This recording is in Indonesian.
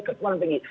ketua yang tinggi